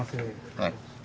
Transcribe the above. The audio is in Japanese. はい。